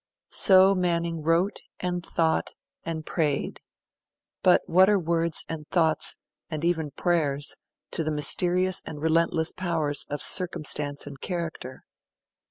So Manning wrote, and thought, and prayed; but what are words, and thoughts, and even prayers, to the mysterious and relentless powers of circumstance and character?